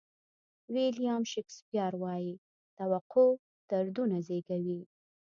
ویلیام شکسپیر وایي توقع دردونه زیږوي.